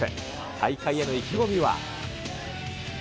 大会への意気込みは。